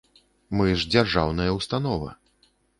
Мы ж дзяржаўная ўстанова!